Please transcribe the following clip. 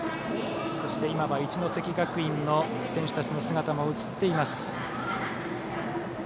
一関学院の選手たちの姿も映っています。